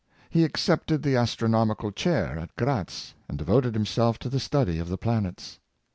He accepted the astronomical chair at Gratz and devoted himself to the study of the planets.